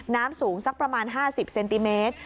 น้ำสูงสักประมาณ๕๐เซนติเมตร